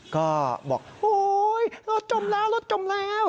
ก็บอกโอ๊ยรถจมแล้วรถจมแล้ว